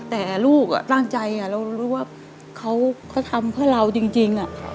แต่ลูกตั้งใจเรารู้ว่าเขาทำเพื่อเราจริง